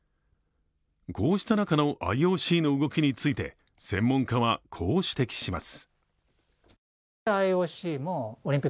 こうした中のＩＯＣの動きについて専門家は、こう指摘します。